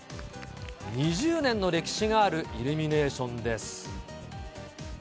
２０年の歴史があるイルミネーションです。